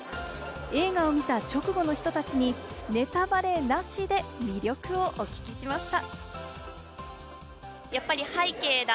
映画を見た直後の人たちに、ネタバレなしで魅力をお聞きしました。